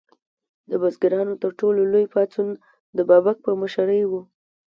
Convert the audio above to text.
د بزګرانو تر ټولو لوی پاڅون د بابک په مشرۍ و.